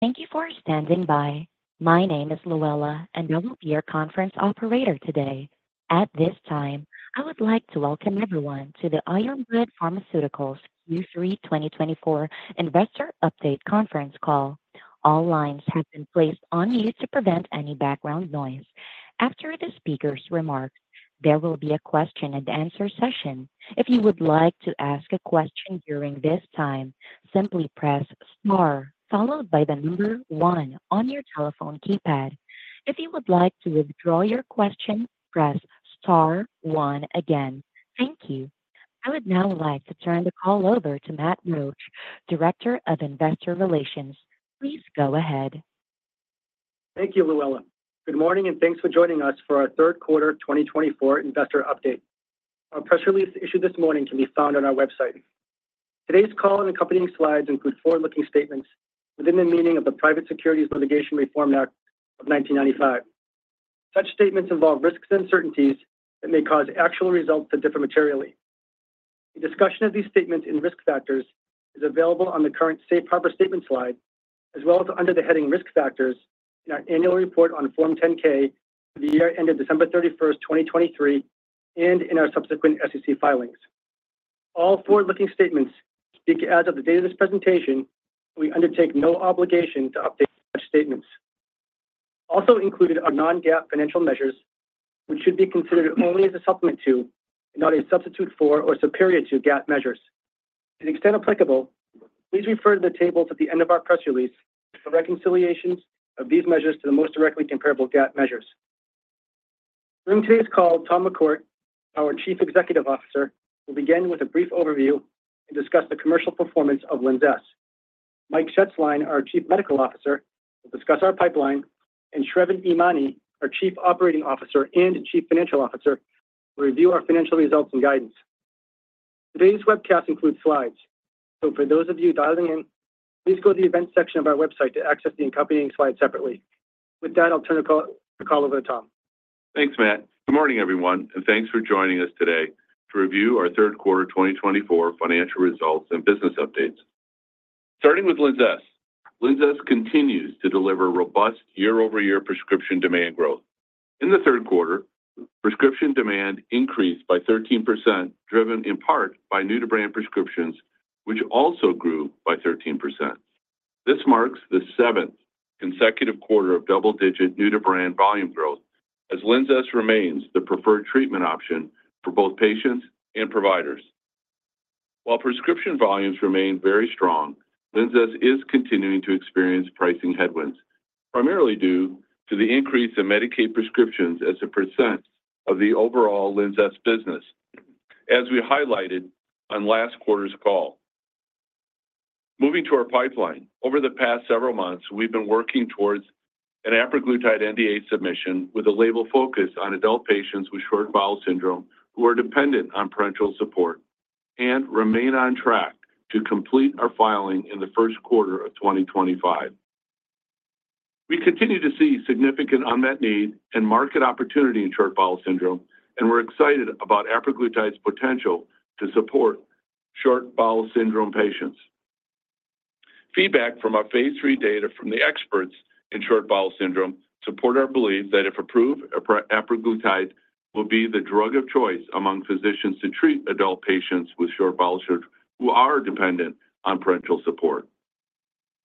Thank you for standing by. My name is Luella, and I will be your conference operator today. At this time, I would like to welcome everyone to the Ironwood Pharmaceuticals Q3 2024 Investor Update Conference Call. All lines have been placed on mute to prevent any background noise. After the speaker's remarks, there will be a question-and-answer session. If you would like to ask a question during this time, simply press star, followed by the number one on your telephone keypad. If you would like to withdraw your question, press star one again. Thank you. I would now like to turn the call over to Matt Roach, Director of Investor Relations. Please go ahead. Thank you, Luella. Good morning, and thanks for joining us for our third quarter 2024 Investor Update. Our press release issued this morning can be found on our website. Today's call and accompanying slides include forward-looking statements within the meaning of the Private Securities Litigation Reform Act of 1995. Such statements involve risks and uncertainties that may cause actual results to differ materially. A discussion of these statements and risk factors is available on the current Safe Harbor Statement slide, as well as under the heading Risk Factors in our annual report on Form 10-K for the year ended December 31, 2023, and in our subsequent SEC filings. All forward-looking statements speak as of the date of this presentation, and we undertake no obligation to update such statements. Also included are non-GAAP financial measures, which should be considered only as a supplement to, and not a substitute for, or superior to GAAP measures. To the extent applicable, please refer to the tables at the end of our press release for reconciliations of these measures to the most directly comparable GAAP measures. During today's call, Tom McCourt, our Chief Executive Officer, will begin with a brief overview and discuss the commercial performance of Linzess. Mike Shetzline, our Chief Medical Officer, will discuss our pipeline, and Sravan Emany, our Chief Operating Officer and Chief Financial Officer, will review our financial results and guidance. Today's webcast includes slides, so for those of you dialing in, please go to the event section of our website to access the accompanying slides separately. With that, I'll turn the call over to Tom. Thanks, Matt. Good morning, everyone, and thanks for joining us today to review our third quarter 2024 financial results and business updates. Starting with Linzess, Linzess continues to deliver robust year-over-year prescription demand growth. In the third quarter, prescription demand increased by 13%, driven in part by new-to-brand prescriptions, which also grew by 13%. This marks the seventh consecutive quarter of double-digit new-to-brand volume growth, as Linzess remains the preferred treatment option for both patients and providers. While prescription volumes remain very strong, Linzess is continuing to experience pricing headwinds, primarily due to the increase in Medicaid prescriptions as a percent of the overall Linzess business, as we highlighted on last quarter's call. Moving to our pipeline, over the past several months, we've been working towards an apraglutide NDA submission with a label focus on adult patients with short bowel syndrome who are dependent on parenteral support and remain on track to complete our filing in the first quarter of 2025. We continue to see significant unmet need and market opportunity in short bowel syndrome, and we're excited about apraglutide's potential to support short bowel syndrome patients. Feedback from our phase 3 data from the experts in short bowel syndrome supports our belief that if approved, apraglutide will be the drug of choice among physicians to treat adult patients with short bowel syndrome who are dependent on parenteral support.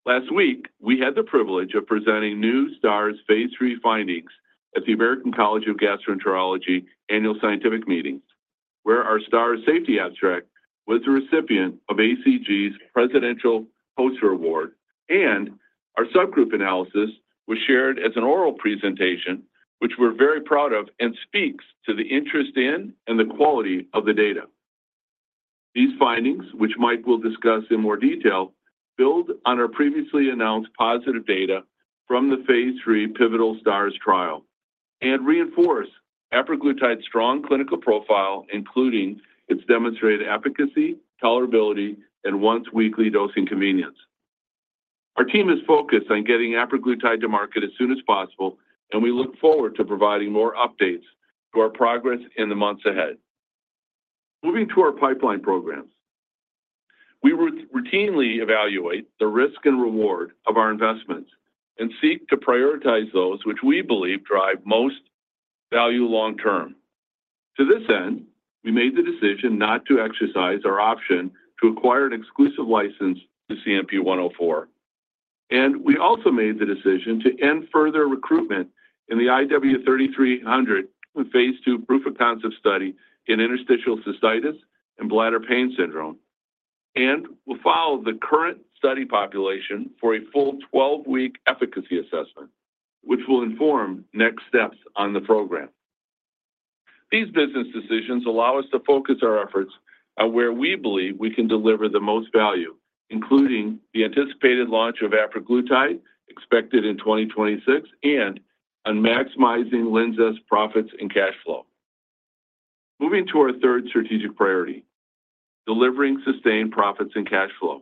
Last week, we had the privilege of presenting new STARS phase 3 findings at the American College of Gastroenterology annual scientific meetings, where our STARS safety abstract was the recipient of ACG's Presidential Poster Award, and our subgroup analysis was shared as an oral presentation, which we're very proud of and speaks to the interest in and the quality of the data. These findings, which Mike will discuss in more detail, build on our previously announced positive data from the phase 3 pivotal STARS trial and reinforce apraglutide's strong clinical profile, including its demonstrated efficacy, tolerability, and once-weekly dosing convenience. Our team is focused on getting apraglutide to market as soon as possible, and we look forward to providing more updates to our progress in the months ahead. Moving to our pipeline programs, we routinely evaluate the risk and reward of our investments and seek to prioritize those which we believe drive most value long-term. To this end, we made the decision not to exercise our option to acquire an exclusive license to CNP-104 and we also made the decision to end further recruitment in the IW-3300 phase two proof of concept study in interstitial cystitis and bladder pain syndrome, and will follow the current study population for a full 12-week efficacy assessment, which will inform next steps on the program. These business decisions allow us to focus our efforts on where we believe we can deliver the most value, including the anticipated launch of apraglutide expected in 2026 and on maximizing Linzess profits and cash flow. Moving to our third strategic priority: delivering sustained profits and cash flow.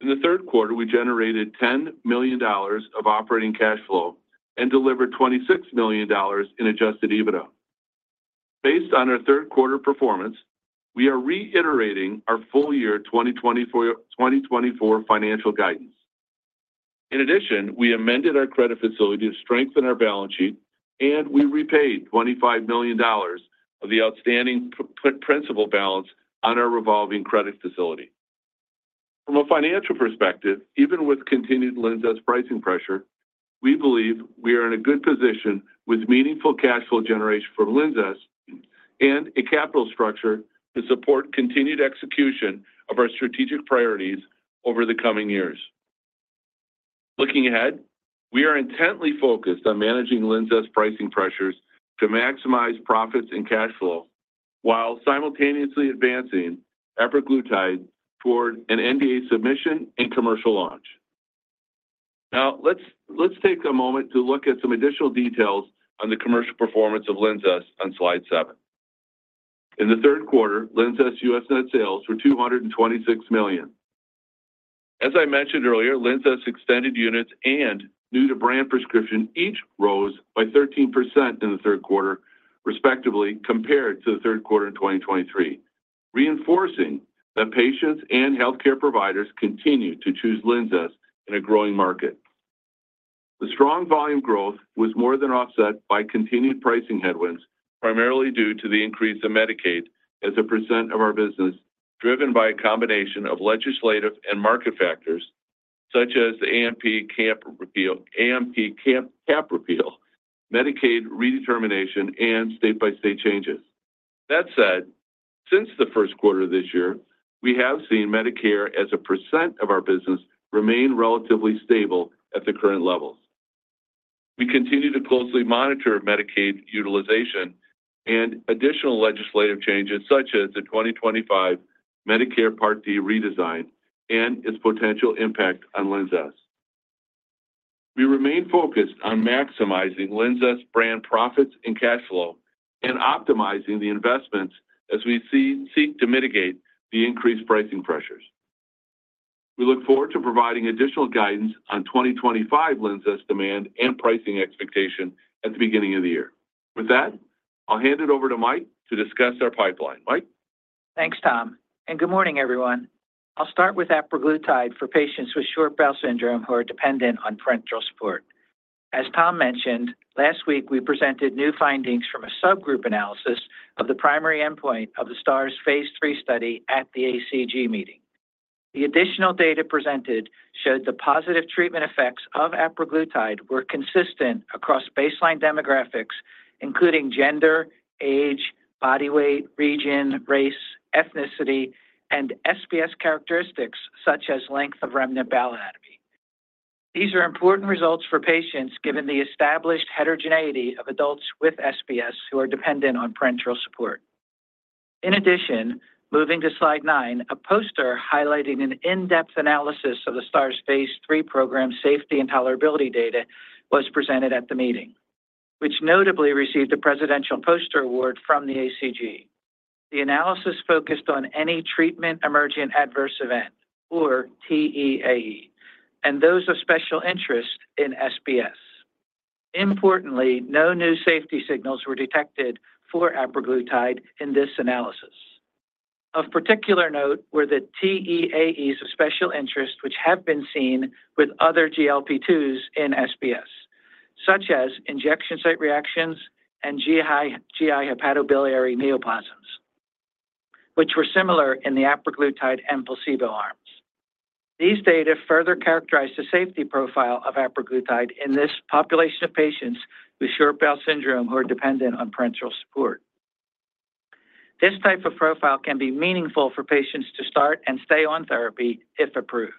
In the third quarter, we generated $10 million of operating cash flow and delivered $26 million in Adjusted EBITDA. Based on our third quarter performance, we are reiterating our full year 2024 financial guidance. In addition, we amended our credit facility to strengthen our balance sheet, and we repaid $25 million of the outstanding principal balance on our revolving credit facility. From a financial perspective, even with continued Linzess pricing pressure, we believe we are in a good position with meaningful cash flow generation from Linzess and a capital structure to support continued execution of our strategic priorities over the coming years. Looking ahead, we are intently focused on managing Linzess pricing pressures to maximize profits and cash flow while simultaneously advancing apraglutide toward an NDA submission and commercial launch. Now, let's take a moment to look at some additional details on the commercial performance of Linzess on slide seven. In the third quarter, Linzess U.S. net sales were $226 million. As I mentioned earlier, Linzess extended units and new-to-brand prescription each rose by 13% in the third quarter, respectively, compared to the third quarter in 2023, reinforcing that patients and healthcare providers continue to choose Linzess in a growing market. The strong volume growth was more than offset by continued pricing headwinds, primarily due to the increase of Medicaid as a percent of our business, driven by a combination of legislative and market factors such as the AMP cap repeal, Medicaid redetermination, and state-by-state changes. That said, since the first quarter of this year, we have seen Medicare as a percent of our business remain relatively stable at the current levels. We continue to closely monitor Medicaid utilization and additional legislative changes such as the 2025 Medicare Part D redesign and its potential impact on Linzess. We remain focused on maximizing Linzess brand profits and cash flow and optimizing the investments as we seek to mitigate the increased pricing pressures. We look forward to providing additional guidance on 2025 Linzess demand and pricing expectation at the beginning of the year. With that, I'll hand it over to Mike to discuss our pipeline. Mike. Thanks, Tom. And good morning, everyone. I'll start with apraglutide for patients with short bowel syndrome who are dependent on parenteral support. As Tom mentioned, last week we presented new findings from a subgroup analysis of the primary endpoint of the STARS phase three study at the ACG meeting. The additional data presented showed the positive treatment effects of apraglutide were consistent across baseline demographics, including gender, age, body weight, region, race, ethnicity, and SBS characteristics such as length of remnant bowel anatomy. These are important results for patients given the established heterogeneity of adults with SBS who are dependent on parenteral support. In addition, moving to slide nine, a poster highlighting an in-depth analysis of the STARS phase three program safety and tolerability data was presented at the meeting, which notably received a presidential poster award from the ACG. The analysis focused on any treatment-emergent adverse event, or TEAE, and those of special interest in SBS. Importantly, no new safety signals were detected for apraglutide in this analysis. Of particular note were the TEAEs of special interest, which have been seen with other GLP-2s in SBS, such as injection site reactions and GI hepatobiliary neoplasms, which were similar in the apraglutide and placebo arms. These data further characterize the safety profile of apraglutide in this population of patients with short bowel syndrome who are dependent on parenteral support. This type of profile can be meaningful for patients to start and stay on therapy if approved.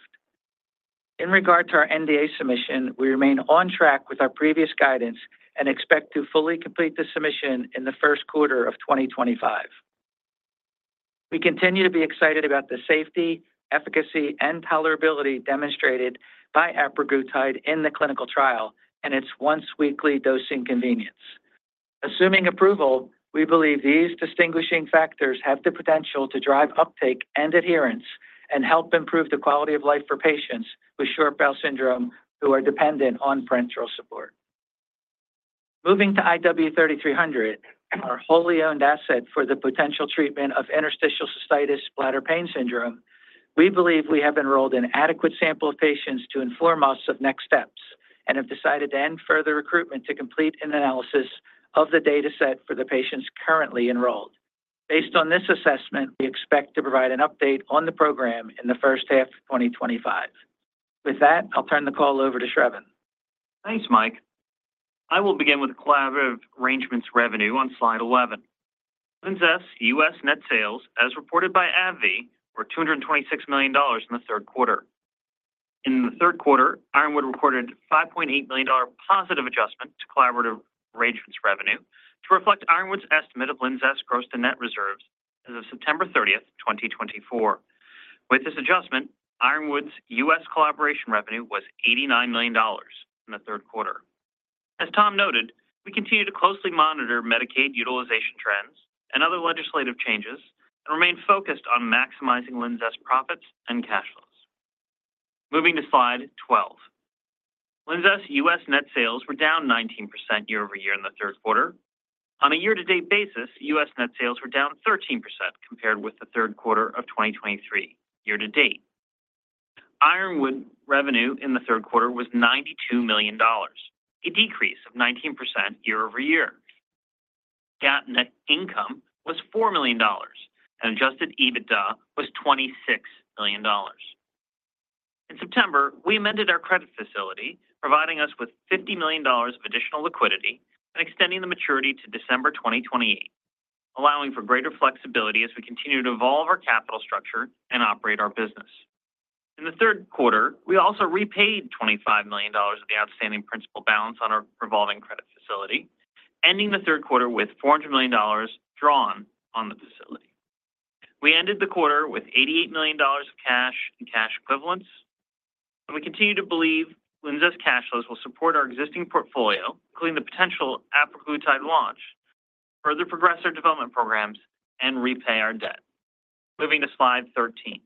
In regard to our NDA submission, we remain on track with our previous guidance and expect to fully complete the submission in the first quarter of 2025. We continue to be excited about the safety, efficacy, and tolerability demonstrated by apraglutide in the clinical trial and its once-weekly dosing convenience. Assuming approval, we believe these distinguishing factors have the potential to drive uptake and adherence and help improve the quality of life for patients with short bowel syndrome who are dependent on parenteral support. Moving to IW 3300, our wholly owned asset for the potential treatment of interstitial cystitis bladder pain syndrome, we believe we have enrolled an adequate sample of patients to inform us of next steps and have decided to end further recruitment to complete an analysis of the dataset for the patients currently enrolled. Based on this assessment, we expect to provide an update on the program in the first half of 2025. With that, I'll turn the call over to Shravan. Thanks, Mike. I will begin with collaborative arrangements revenue on slide 11. Linzess U.S. net sales, as reported by AbbVie, were $226 million in the third quarter. In the third quarter, Ironwood reported a $5.8 million positive adjustment to collaborative arrangements revenue to reflect Ironwood's estimate of Linzess gross to net reserves as of September 30, 2024. With this adjustment, Ironwood's U.S. collaboration revenue was $89 million in the third quarter. As Tom noted, we continue to closely monitor Medicaid utilization trends and other legislative changes and remain focused on maximizing Linzess profits and cash flows. Moving to slide 12, Linzess U.S. net sales were down 19% year-over-year in the third quarter. On a year-to-date basis, U.S. net sales were down 13% compared with the third quarter of 2023 year-to-date. Ironwood revenue in the third quarter was $92 million, a decrease of 19% year-over-year. GAAP net income was $4 million, and Adjusted EBITDA was $26 million. In September, we amended our credit facility, providing us with $50 million of additional liquidity and extending the maturity to December 2028, allowing for greater flexibility as we continue to evolve our capital structure and operate our business. In the third quarter, we also repaid $25 million of the outstanding principal balance on our revolving credit facility, ending the third quarter with $400 million drawn on the facility. We ended the quarter with $88 million of cash and cash equivalents, and we continue to believe Linzess cash flows will support our existing portfolio, including the potential apraglutide launch, further progress our development programs, and repay our debt. Moving to Slide 13.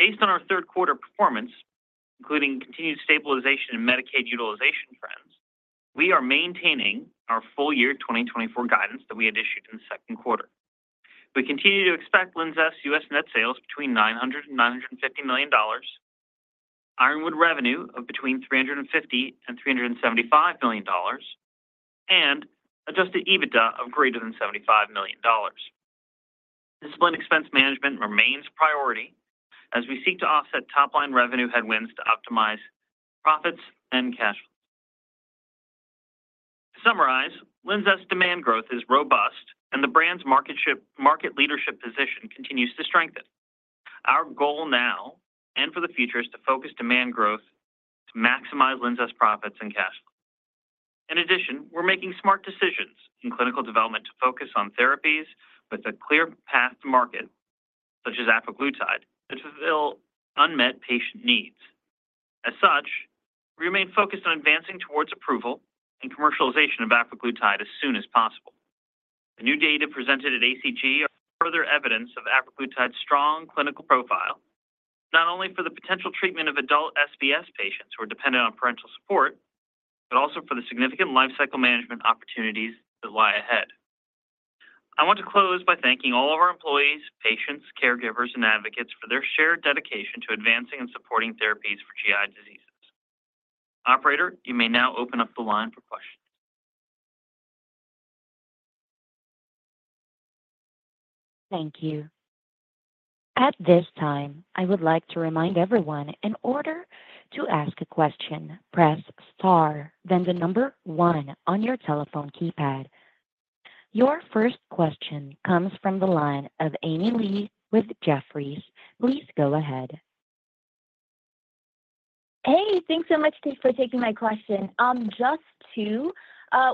Based on our third quarter performance, including continued stabilization in Medicaid utilization trends, we are maintaining our full year 2024 guidance that we had issued in the second quarter. We continue to expect Linzess U.S. net sales between $900-$950 million, Ironwood revenue of between $350-$375 million, and Adjusted EBITDA of greater than $75 million. Disciplined expense management remains a priority as we seek to offset top-line revenue headwinds to optimize profits and cash flows. To summarize, Linzess demand growth is robust, and the brand's market leadership position continues to strengthen. Our goal now and for the future is to focus demand growth to maximize Linzess profits and cash flow. In addition, we're making smart decisions in clinical development to focus on therapies with a clear path to market, such as apraglutide, that fulfill unmet patient needs. As such, we remain focused on advancing towards approval and commercialization of apraglutide as soon as possible. The new data presented at ACG are further evidence of apraglutide's strong clinical profile, not only for the potential treatment of adult SBS patients who are dependent on parenteral support, but also for the significant lifecycle management opportunities that lie ahead. I want to close by thanking all of our employees, patients, caregivers, and advocates for their shared dedication to advancing and supporting therapies for GI diseases. Operator, you may now open up the line for questions. Thank you. At this time, I would like to remind everyone in order to ask a question, press star, then the number one on your telephone keypad. Your first question comes from the line of Amy Li with Jefferies. Please go ahead. Hey, thanks so much for taking my question. Just two.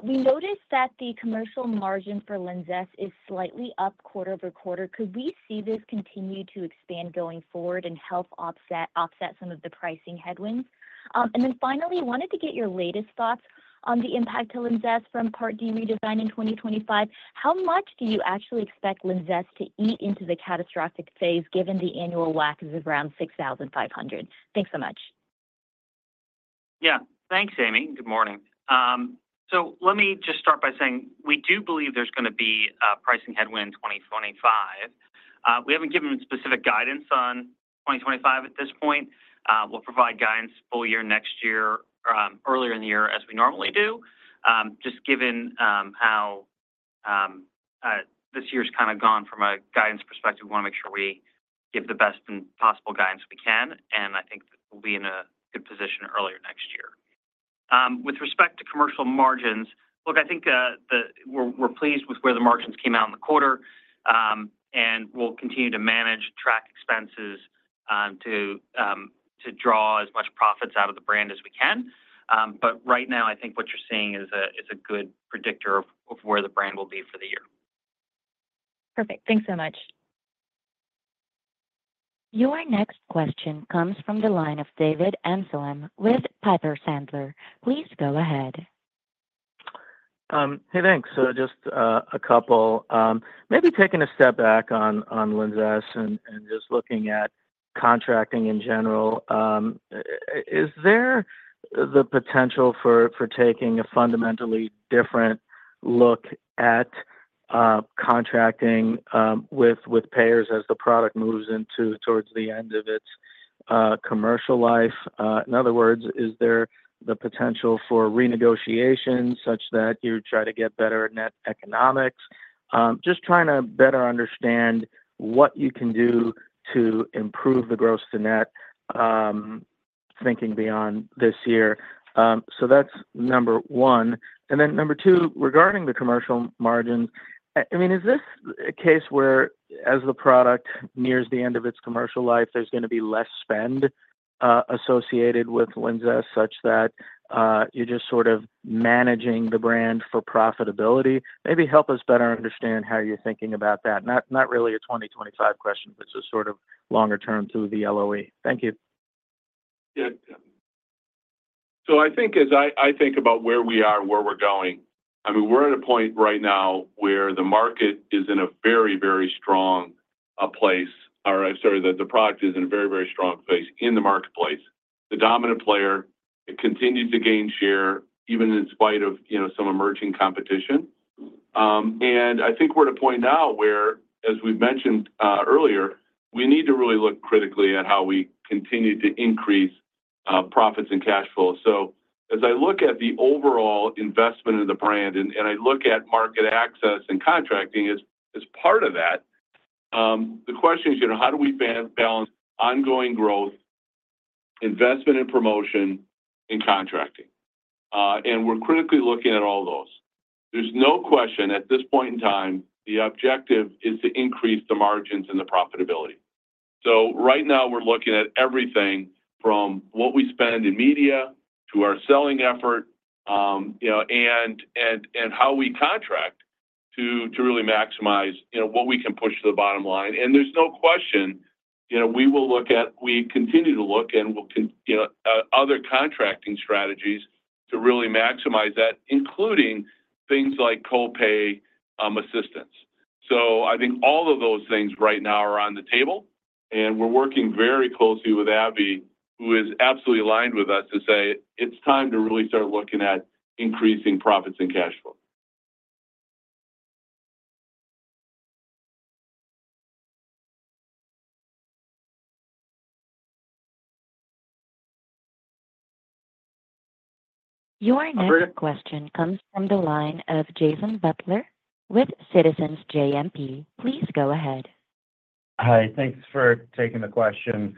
We noticed that the commercial margin for Linzess is slightly up quarter over quarter. Could we see this continue to expand going forward and help offset some of the pricing headwinds? And then finally, I wanted to get your latest thoughts on the impact to Linzess from Part D redesign in 2025. How much do you actually expect Linzess to eat into the catastrophic phase given the annual WAC is around $6,500? Thanks so much. Yeah, thanks, Amy. Good morning. So let me just start by saying we do believe there's going to be a pricing headwind in 2025. We haven't given specific guidance on 2025 at this point. We'll provide guidance full year next year, earlier in the year as we normally do. Just given how this year's kind of gone from a guidance perspective, we want to make sure we give the best possible guidance we can. And I think we'll be in a good position earlier next year. With respect to commercial margins, look, I think we're pleased with where the margins came out in the quarter, and we'll continue to manage, track expenses to draw as much profits out of the brand as we can. But right now, I think what you're seeing is a good predictor of where the brand will be for the year. Perfect. Thanks so much. Your next question comes from the line of David Amsellem with Piper Sandler. Please go ahead. Hey, thanks. So just a couple. Maybe taking a step back on Linzess and just looking at contracting in general, is there the potential for taking a fundamentally different look at contracting with payers as the product moves towards the end of its commercial life? In other words, is there the potential for renegotiation such that you try to get better net economics? Just trying to better understand what you can do to improve the gross to net thinking beyond this year. So that's number one. And then number two, regarding the commercial margins, I mean, is this a case where as the product nears the end of its commercial life, there's going to be less spend associated with Linzess such that you're just sort of managing the brand for profitability? Maybe help us better understand how you're thinking about that. Not really a 2025 question, but just sort of longer term through the LOE. Thank you. Yeah. So I think as I think about where we are and where we're going, I mean, we're at a point right now where the market is in a very, very strong place, or sorry, the product is in a very, very strong place in the marketplace. The dominant player, it continues to gain share even in spite of some emerging competition. I think we're at a point now where, as we've mentioned earlier, we need to really look critically at how we continue to increase profits and cash flow. As I look at the overall investment in the brand and I look at market access and contracting as part of that, the question is, how do we balance ongoing growth, investment in promotion, and contracting? We're critically looking at all those. There's no question at this point in time the objective is to increase the margins and the profitability, so right now, we're looking at everything from what we spend in media to our selling effort and how we contract to really maximize what we can push to the bottom line, and there's no question we will look at, we continue to look at other contracting strategies to really maximize that, including things like copay assistance, so I think all of those things right now are on the table, and we're working very closely with AbbVie, who is absolutely aligned with us to say it's time to really start looking at increasing profits and cash flow. Your next question comes from the line of Jason Butler with Citizens JMP. Please go ahead. Hi. Thanks for taking the question.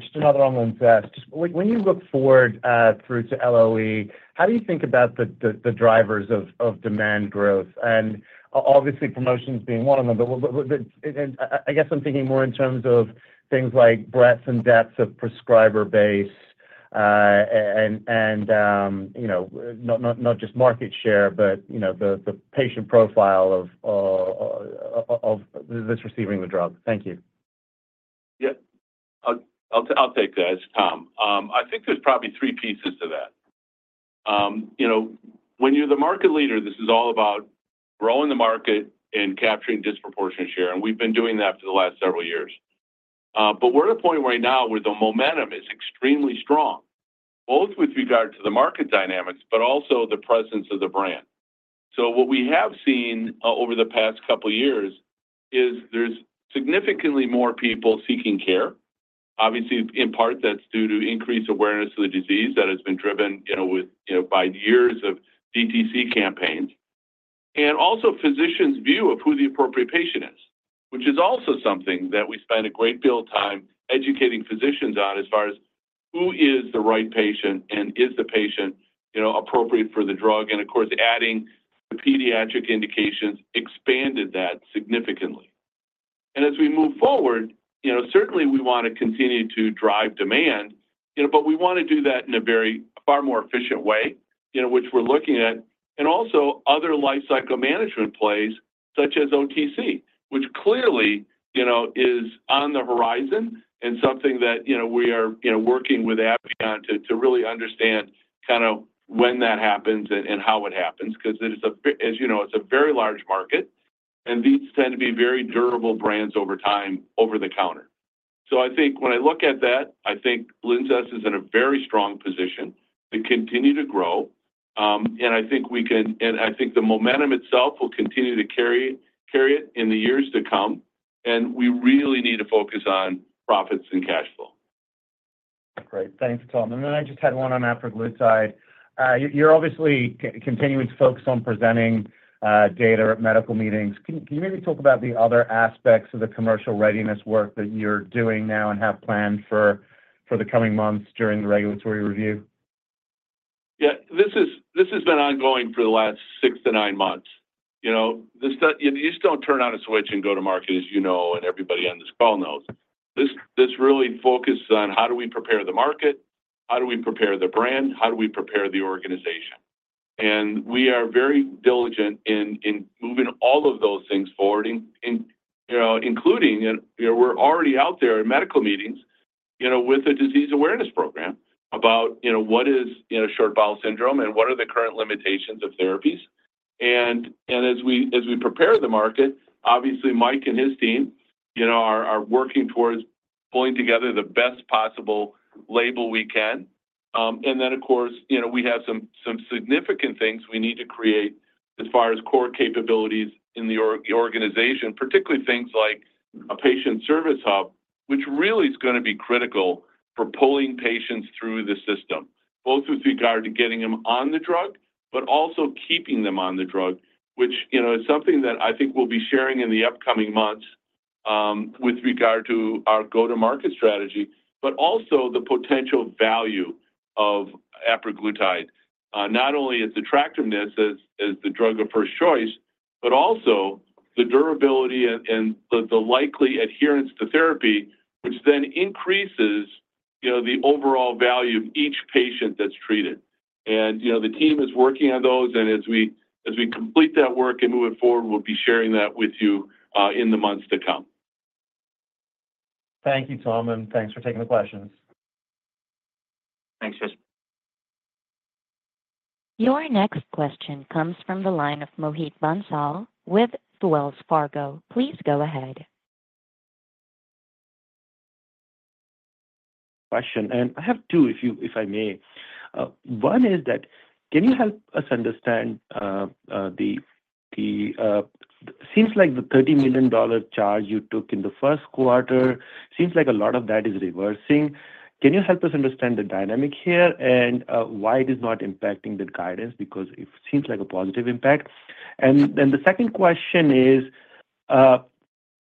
Just another on Linzess. When you look forward through to LOE, how do you think about the drivers of demand growth? And obviously, promotions being one of them, but I guess I'm thinking more in terms of things like breadth and depth of prescriber base and not just market share, but the patient profile of those receiving the drug. Thank you. Yep. I'll take that as Tom. I think there's probably three pieces to that. When you're the market leader, this is all about growing the market and capturing disproportionate share. And we've been doing that for the last several years. But we're at a point right now where the momentum is extremely strong, both with regard to the market dynamics, but also the presence of the brand. So what we have seen over the past couple of years is there's significantly more people seeking care. Obviously, in part, that's due to increased awareness of the disease that has been driven by years of DTC campaigns. And also physicians' view of who the appropriate patient is, which is also something that we spend a great deal of time educating physicians on as far as who is the right patient and is the patient appropriate for the drug. And of course, adding the pediatric indications expanded that significantly. And as we move forward, certainly we want to continue to drive demand, but we want to do that in a far more efficient way, which we're looking at, and also other lifecycle management plays such as OTC, which clearly is on the horizon and something that we are working with AbbVie on to really understand kind of when that happens and how it happens because it is a very large market, and these tend to be very durable brands over time over the counter. So I think when I look at that, I think Linzess is in a very strong position to continue to grow. And I think we can, and I think the momentum itself will continue to carry it in the years to come. And we really need to focus on profits and cash flow. Great. Thanks, Tom. And then I just had one on apraglutide. You're obviously continuing to focus on presenting data at medical meetings. Can you maybe talk about the other aspects of the commercial readiness work that you're doing now and have planned for the coming months during the regulatory review? Yeah. This has been ongoing for the last six to nine months. You just don't turn on a switch and go to market, as you know, and everybody on this call knows. This really focuses on how do we prepare the market, how do we prepare the brand, how do we prepare the organization. And we are very diligent in moving all of those things forward, including we're already out there in medical meetings with a disease awareness program about what is short bowel syndrome and what are the current limitations of therapies. And as we prepare the market, obviously, Mike and his team are working towards pulling together the best possible label we can. And then, of course, we have some significant things we need to create as far as core capabilities in the organization, particularly things like a patient service hub, which really is going to be critical for pulling patients through the system, both with regard to getting them on the drug, but also keeping them on the drug, which is something that I think we'll be sharing in the upcoming months with regard to our go-to-market strategy, but also the potential value of apraglutide, not only its attractiveness as the drug of first choice, but also the durability and the likely adherence to therapy, which then increases the overall value of each patient that's treated. And the team is working on those. And as we complete that work and move it forward, we'll be sharing that with you in the months to come. Thank you, Tom, and thanks for taking the questions. Thanks, Jason. Your next question comes from the line of Mohit Bansal with Wells Fargo. Please go ahead. Question. And I have two, if I may. One is that can you help us understand the seems like the $30 million charge you took in the first quarter, seems like a lot of that is reversing. Can you help us understand the dynamic here and why it is not impacting the guidance? Because it seems like a positive impact. And then the second question is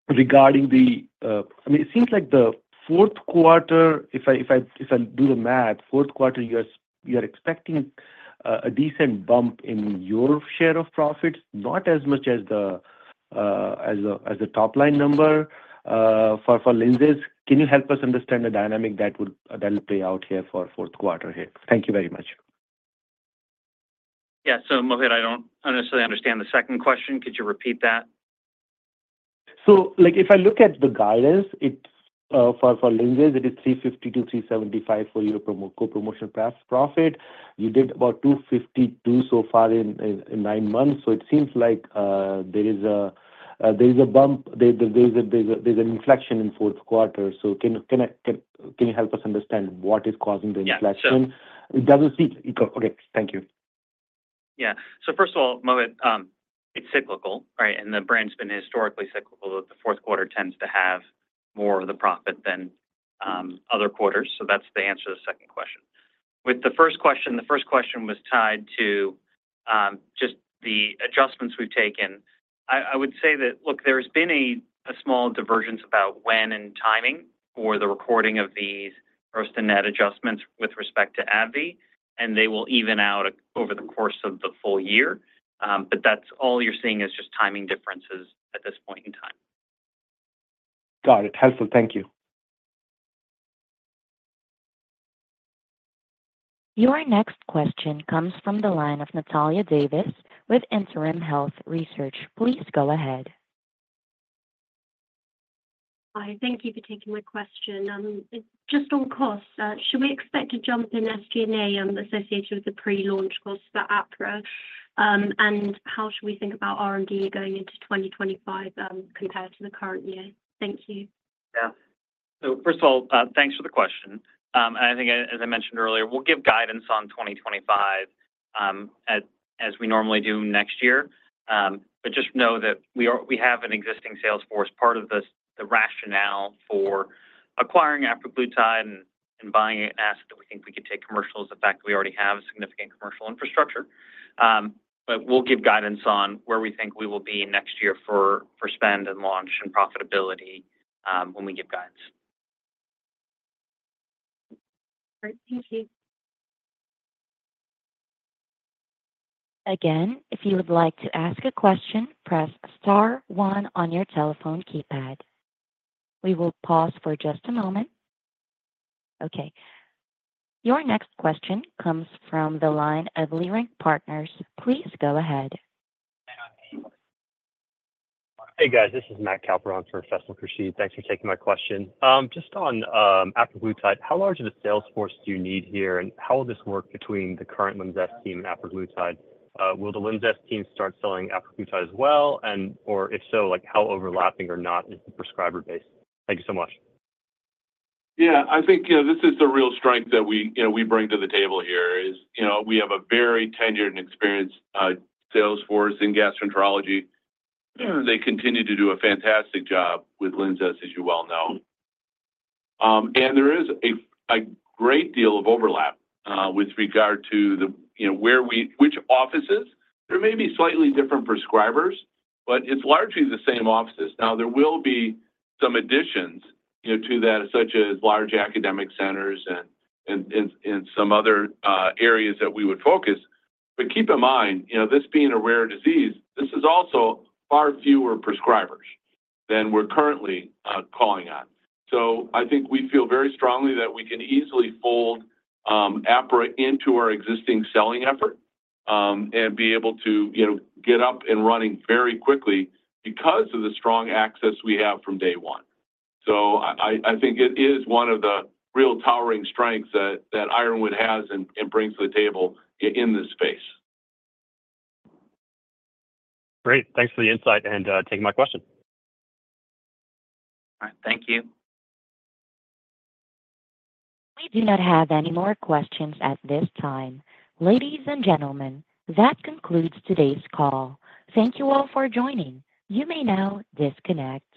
regarding the I mean, it seems like the fourth quarter, if I do the math, fourth quarter, you're expecting a decent bump in your share of profits, not as much as the top-line number for Linzess. Can you help us understand the dynamic that will play out here for fourth quarter here? Thank you very much. Yeah, so Mohit, I don't necessarily understand the second question. Could you repeat that? If I look at the guidance for Linzess, it is $350-$375 million for your co-promotion profit. You did about $252 million so far in nine months. It seems like there is a bump. There is an inflection in fourth quarter. Can you help us understand what is causing the inflection? Yes. It doesn't seem okay. Thank you. Yeah. So first of all, Mohit, it's cyclical, right? And the brand's been historically cyclical that the fourth quarter tends to have more of the profit than other quarters. So that's the answer to the second question. With the first question, the first question was tied to just the adjustments we've taken. I would say that, look, there has been a small divergence about when and timing for the recording of these gross to net adjustments with respect to AbbVie, and they will even out over the course of the full year. But that's all you're seeing is just timing differences at this point in time. Got it. Helpful. Thank you. Your next question comes from the line of Natalia Davis with Inserim Health Research. Please go ahead. Hi. Thank you for taking my question. Just on costs, should we expect to jump in SG&A associated with the pre-launch costs for apraglutide? And how should we think about R&D going into 2025 compared to the current year? Thank you. Yeah. First of all, thanks for the question. I think, as I mentioned earlier, we'll give guidance on 2025 as we normally do next year. Just know that we have an existing sales force part of the rationale for acquiring apraglutide and buying an asset that we think we could take commercial is the fact that we already have significant commercial infrastructure. We'll give guidance on where we think we will be next year for spend and launch and profitability when we give guidance. Great. Thank you. Again, if you would like to ask a question, press star one on your telephone keypad. We will pause for just a moment. Okay. Your next question comes from the line of Leerink Partners. Please go ahead. Hey, guys. This is Matt Kaplan from Feston Crushie. Thanks for taking my question. Just on apraglutide, how large of a sales force do you need here, and how will this work between the current Linzess team and apraglutide? Will the Linzess team start selling apraglutide as well, and if so, how overlapping or not is the prescriber base? Thank you so much. Yeah. I think this is the real strength that we bring to the table here is we have a very tenured and experienced sales force in gastroenterology. They continue to do a fantastic job with Linzess, as you well know. And there is a great deal of overlap with regard to which offices. There may be slightly different prescribers, but it's largely the same offices. Now, there will be some additions to that, such as large academic centers and some other areas that we would focus. But keep in mind, this being a rare disease, this is also far fewer prescribers than we're currently calling on. So I think we feel very strongly that we can easily fold apraglutide into our existing selling effort and be able to get up and running very quickly because of the strong access we have from day one. So I think it is one of the real towering strengths that Ironwood has and brings to the table in this space. Great. Thanks for the insight and taking my question. All right. Thank you. We do not have any more questions at this time. Ladies and gentlemen, that concludes today's call. Thank you all for joining. You may now disconnect.